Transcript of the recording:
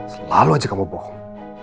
selalu aja kamu bohong